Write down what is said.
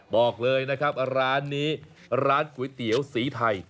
บอกเลยนะครับร้านนี้ร้านก๋วยเตี๋ยวสีไทย